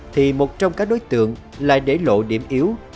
thì một trong các đối tượng lại để lộ điểm yếu